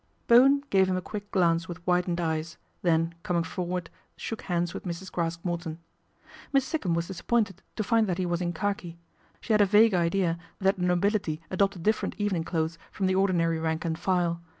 Bowen gave him a quick glance with widened eyes, then coming for ward, shook hands with Mrs. Craske Morton. Miss Sikkum was disappointed to find that he was in khaki. She had a vague idea that the nobility adopted different evening clothes from the ordinary rank and file.